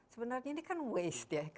sebenarnya ini kan waste ya